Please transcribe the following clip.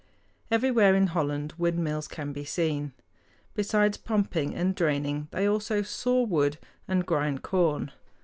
Everywhere in Holland windmills can be seen. Besides pumping and draining, they also saw wood and grind corn.